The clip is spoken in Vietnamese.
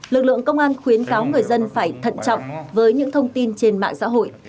lực lượng công an khuyến cáo người dân phải thận trọng với những thông tin trên mạng xã hội